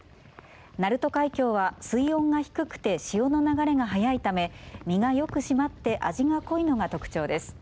鳴門海峡は水温が低くて潮の流れが速いため身がよく締まって味が濃いのが特長です。